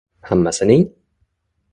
Hammasining?